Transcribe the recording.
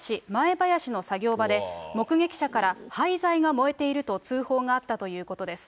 ばやしの作業場で、目撃者から廃材が燃えていると通報があったということです。